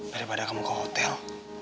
daripada kamu ke hotel